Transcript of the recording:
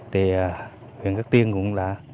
thì huyện cát tiên cũng đã